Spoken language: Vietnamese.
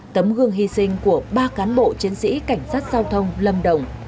tấm gương hy sinh của ba cán bộ chiến sĩ cảnh sát giao thông lâm đồng